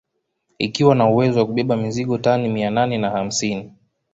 Ikiwa na uwezo wa kubeba mizigo tani mia nane na hamsini